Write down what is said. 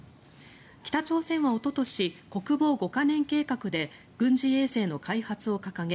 北朝鮮はおととし国防五カ年計画で軍事衛星の開発を掲げ